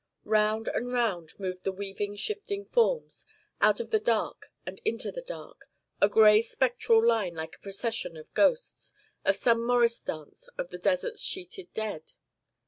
Round and round moved the weaving shifting forms, out of the dark and into the dark, a gray spectral line like a procession of ghosts, or some morris dance of the desert's sheeted dead.